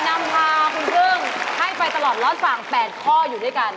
นำพาคุณพึ่งให้ไปตลอดรอดฝั่ง๘ข้ออยู่ด้วยกัน